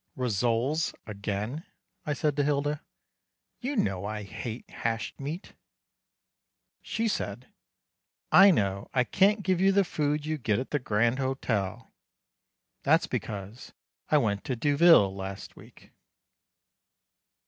"Rissoles again," I said to Hilda, "you know I hate hashed meat." She said: "I know I can't give you the food you get at the Grand Hotel." That's because I went to Deauville last week.